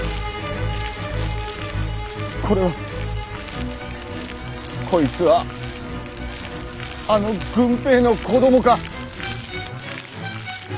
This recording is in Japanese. これはこいつはあの郡平の子供かッ！！